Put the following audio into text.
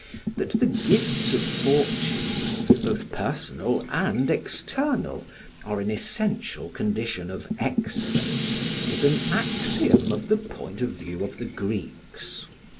That the gifts of fortune, both personal and external, are an essential condition of excellence, is an axiom of the point of view of the Greeks.